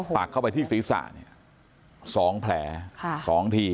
ปากเข้าไปที่ศีรษะ๒แผล๒ที